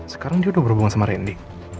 sekarang dia udah berhubungan sama randy